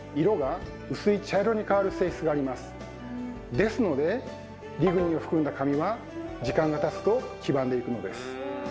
ですのでリグニンを含んだ紙は時間がたつと黄ばんでいくのです。